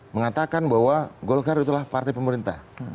mengatakan bahwa golkar itulah partai pemerintah